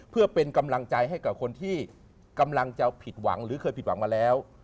เพื่อเป็นกำลังใจให้กับคนที่กำลังจะผิดหวังหรือเคยผิดหวังมาแล้ว